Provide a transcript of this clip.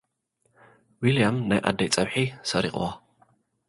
ዊልያም፡ ናይ ኣደይ ጸብሒ ሰሪቁዎ።